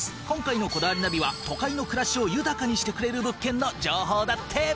今回の『こだわりナビ』は都会の暮らしを豊かにしてくれる物件の情報だって。